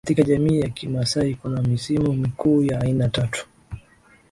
katika jamii ya kimasai Kuna misimu mikuu ya aina tatu